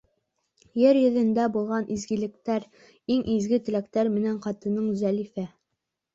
Ер йөҙөндә булған изгелектәр Иң изге теләктәр менән ҡатының Зәлифә